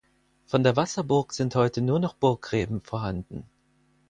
Von der Wasserburg sind heute nur noch Burggräben vorhanden.